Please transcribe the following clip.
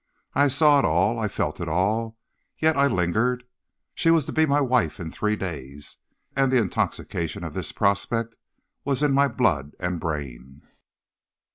I saw it all, I felt it all, yet I lingered. She was to be my wife in three days, and the intoxication of this prospect was in my blood and brain.